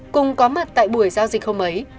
cùng có mặt tại buổi giao dịch hôm ấy